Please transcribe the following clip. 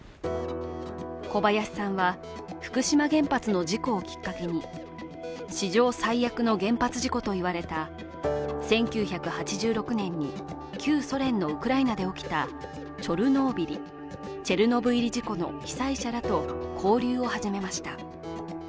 小林さんは福島原発の事故をきっかけに史上最悪の原発事故といわれた１９８６年に旧ソ連のウクライナで起きたチョルノービリ事故の被災者と交流を始めました。